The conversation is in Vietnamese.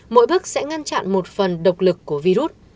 mỗi bước sẽ ngăn chặn một phần độc lực của virus